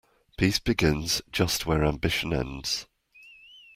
Peace begins just where ambition ends.